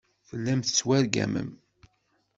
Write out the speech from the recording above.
Tellam tettwargamem.